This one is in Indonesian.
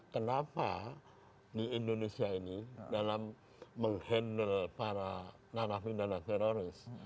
kenapa di indonesia ini dalam menghandle para narapidana teroris